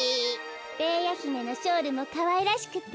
ベーヤひめのショールもかわいらしくってよ。